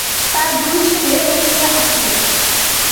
তার দুই ছেলে রুখিয়া আসিল।